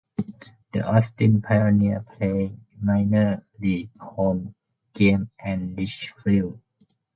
The Austin Pioneers played minor league home games at Disch Field.